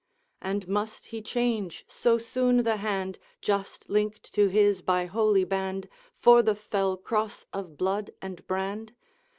And must he change so soon the hand Just linked to his by holy band, For the fell Cross of blood and brand?